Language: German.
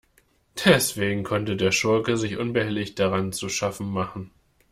Deswegen konnte der Schurke sich unbehelligt daran zu schaffen machen.